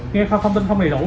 nghe thông tin không đầy đủ